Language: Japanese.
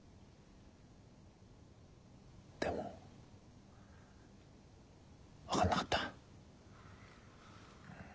でも分かんなかった。